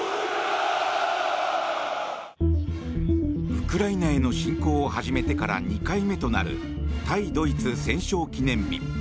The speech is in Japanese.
ウクライナへの侵攻を始めてから２回目となる対ドイツ戦勝記念日。